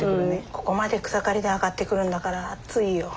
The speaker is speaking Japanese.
ここまで草刈りで上がってくるんだから暑いよ。